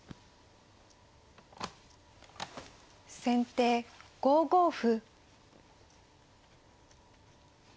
先手５五歩。